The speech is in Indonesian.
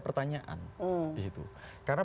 pertanyaan di situ karena